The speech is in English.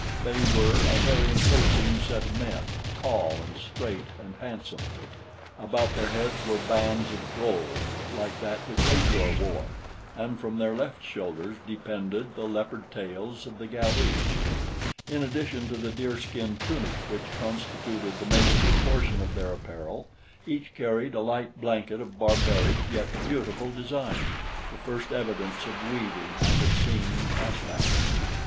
They were a very imposing set of men tall and straight and handsome. About their heads were bands of gold like that which Ajor wore, and from their left shoulders depended the leopard tails of the Galus. In addition to the deer skin tunic which constituted the major portion of their apparel, each carried a light blanket of barbaric yet beautiful design the first evidence of weaving I had seen in Caspak.